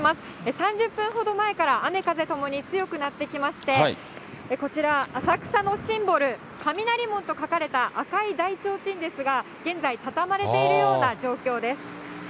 ３０分ほど前から雨、風ともに強くなってきまして、こちら、浅草のシンボル、雷門と書かれた赤い大ちょうちんですが、現在、畳まれているような状況です。